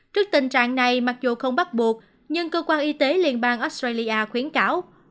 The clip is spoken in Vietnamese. trước tình trạng này mặc dù không bắt buộc nhưng cơ quan y tế liên bang australia khuyến cáo